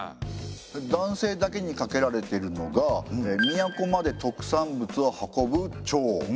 男性だけにかけられてるのが都まで特産物を運ぶ調。